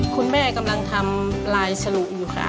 คุณแม่กำลังทำลายฉลุอยู่ค่ะ